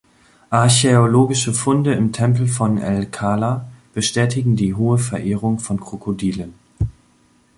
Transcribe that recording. Archäologische Funde im Tempel von El-Qala bestätigen die hohe Verehrung von Krokodilen.